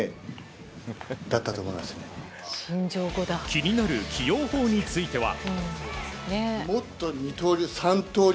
気になる起用法については。